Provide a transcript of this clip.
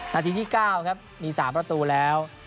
นาทีที่๙ครับมี๓ประตูแล้ว